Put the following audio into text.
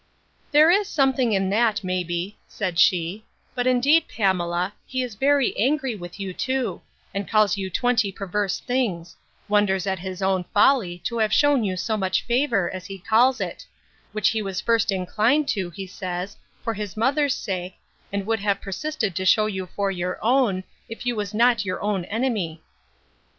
There is something in that, may be, said she: but, indeed, Pamela, he is very angry with you too; and calls you twenty perverse things; wonders at his own folly, to have shewn you so much favour, as he calls it; which he was first inclined to, he says, for his mother's sake, and would have persisted to shew you for your own, if you was not your own enemy.